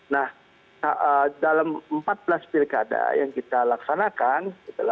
nah dalam empat belas pilkada yang kita laksanakan